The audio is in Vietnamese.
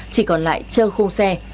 chỉ còn lại chơ khô xe